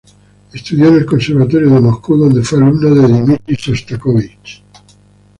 Estudió en el Conservatorio de Moscú donde fue alumno de Dmitri Shostakóvich.